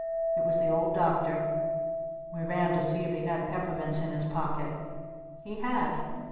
It was the Old Doctor. We ran to see if he had peppermints in his pocket. He had!